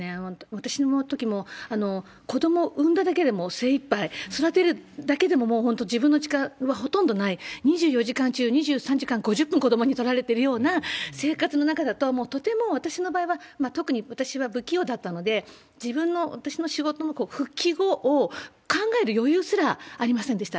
私のときも、子ども産んだだけでも精いっぱい、育てるだけでももう本当自分の時間はほとんどない、２４時間中２３時間５０分、子どもに取られてるような生活の中だと、もうとても、私の場合は特に私は不器用だったので、自分の私の仕事の復帰後を考える余裕すらありませんでした。